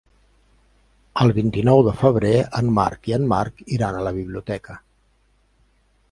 El vint-i-nou de febrer en Marc i en Marc iran a la biblioteca.